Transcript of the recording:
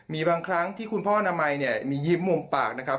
มีบางครั้งที่คุณพ่อนามัยเนี่ยมียิ้มมุมปากนะครับ